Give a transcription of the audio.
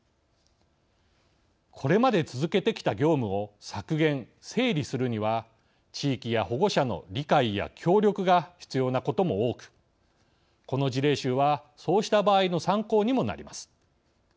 これまで続けてきた業務を削減・整理するには地域や保護者の理解や協力が必要なことも多くこの事例集はそうした場合の参考にもなります。